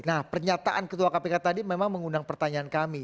nah pernyataan ketua kpk tadi memang mengundang pertanyaan kami